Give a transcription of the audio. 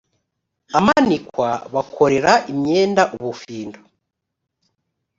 amanikwa bakorera imyenda ubufindo